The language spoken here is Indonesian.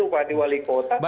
upadi wali kota